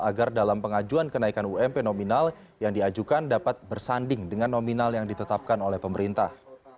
agar dalam pengajuan kenaikan ump nominal yang diajukan dapat bersanding dengan nominal yang ditetapkan oleh pemerintah